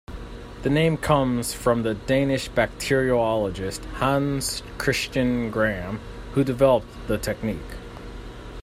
The name comes from the Danish bacteriologist Hans Christian Gram, who developed the technique.